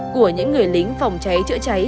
của những người lính phòng cháy chữa cháy